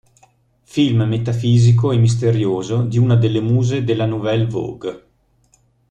Film metafisico e misterioso di una delle muse della nouvelle vogue.